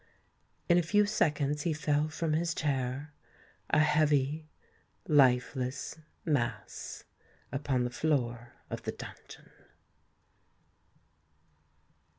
In a few seconds he fell from his chair—a heavy, lifeless mass—upon the floor of the dungeon.